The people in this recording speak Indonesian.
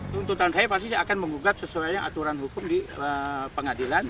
tuntutan saya pasti akan mengugat sesuai aturan hukum di pengadilan